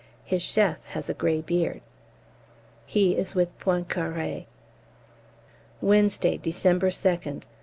His chef has a grey beard. He is with Poincaré. _Wednesday, December 2nd.